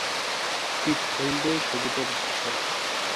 পিঠ হলদে সবুজাভ ধূসর।